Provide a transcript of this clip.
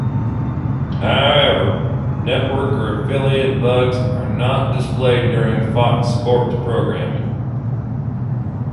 However, network or affiliate bugs are not displayed during Fox Sports programming.